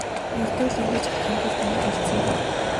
Ердөө л ингэж харахын тулд амьд үлдсэн мэт.